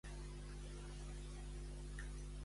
Quina visió aporta l'obra de Dante?